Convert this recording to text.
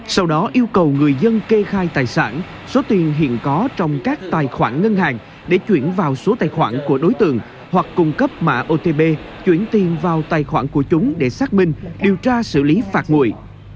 sau đó yêu cầu người dân kê khai tài sản số tiền hiện có trong các tài khoản ngân hàng để chuyển vào số tài khoản của đối tượng hoặc cung cấp mã otb chuyển tiền vào tài khoản của chúng để xác minh điều tra xử lý phạt nguội